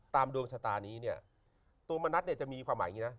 ตามดวงชะตานี้เนี่ยตัวมะนัทมีความหมายอย่างงี้นะ